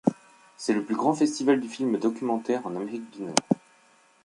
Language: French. C'est le plus grand festival du film documentaire en Amérique du Nord.